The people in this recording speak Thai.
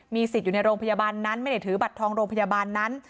สิทธิ์อยู่ในโรงพยาบาลนั้นไม่ได้ถือบัตรทองโรงพยาบาลนั้น